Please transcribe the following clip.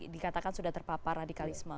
dikatakan sudah terpapar radikalisme